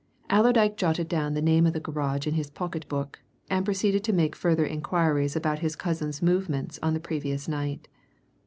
Allerdyke jotted down the name of the garage in his pocket book, and proceeded to make further inquiries about his cousin's movements on the previous night.